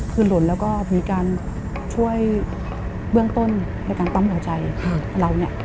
คือหล่นแล้วก็มีการช่วยเบื้องต้นในการปั๊มหัวใจเราเนี่ย